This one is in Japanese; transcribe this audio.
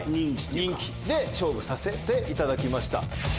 人気で勝負させていただきました。